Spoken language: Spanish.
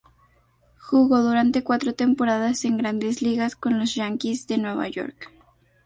Jugó durante cuatro temporadas en "Grandes Ligas" con los Yanquis de Nueva York.